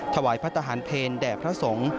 ถวายพระทหารเพลแด่พระสงฆ์